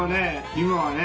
今はね